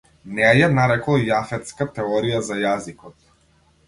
Неа ја нарекол јафетска теорија за јазикот.